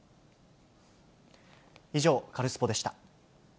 以上、カルスポっ！でした。